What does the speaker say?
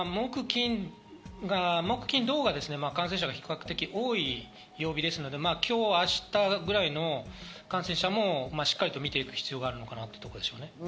木・金・土が感染者が比較的多い曜日ですので、今日、明日ぐらいの感染者もしっかりと見ていく必要があるかなということでしょう。